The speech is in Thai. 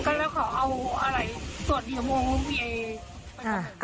เค้าคุยแล้วเค้าเอาอะไรสวดอย่างโง่